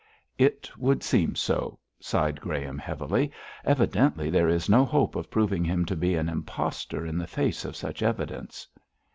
'It would seem so!' sighed Graham, heavily. 'Evidently there is no hope of proving him to be an impostor in the face of such evidence.'